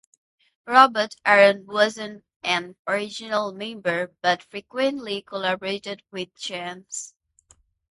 Robert Aaron wasn't an original member, but frequently collaborated with Chance.